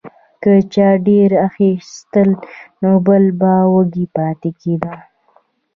که چا ډیر اخیستل نو بل به وږی پاتې کیده.